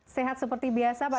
sehat seperti biasa